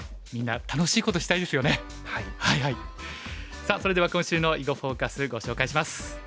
さあそれでは今週の「囲碁フォーカス」ご紹介します。